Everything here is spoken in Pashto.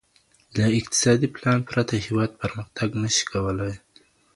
له اقتصادي پلان پرته هېواد پرمختګ نشي کولای.